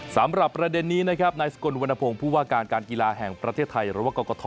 สำหรับประเด็นนี้นายสกลวัณภงผู้ว่าการการกีฬาแห่งประเทศไทยรวรรคกฎธอ